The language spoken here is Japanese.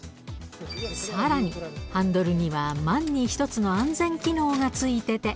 さらに、ハンドルには万に一つの安全機能がついてて。